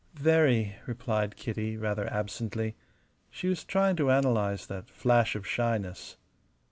"Very," replied Kitty, rather absently. She was trying to analyze that flash of shyness.